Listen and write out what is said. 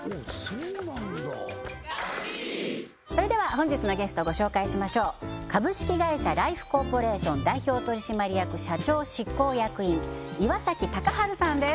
本日のゲストご紹介しましょう株式会社ライフコーポレーション代表取締役社長執行役員岩崎高治さんです